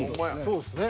そうですね。